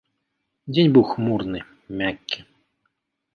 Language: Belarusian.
Дзень быў хмурны, мяккі.